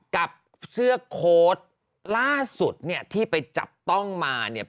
กับเสื้อโค้ดล่าสุดเนี่ยที่ไปจับต้องมาเนี่ย